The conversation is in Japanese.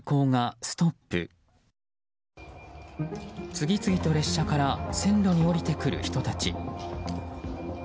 次々と列車から線路に降りてくる人たち。